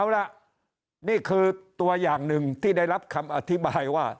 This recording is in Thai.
เอาล่ะนี่คือตัวอย่างหนึ่งที่ได้รับคำอธิบายว่า